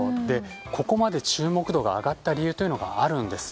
ここまで注目度が上がった理由があるんです。